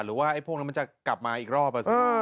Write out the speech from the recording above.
หรือว่าพวกนั้นจะกลับมาอีกรอบ